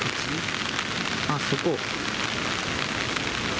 ああ、そこ？